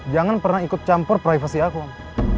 jangan pernah ikut campur privasi aku om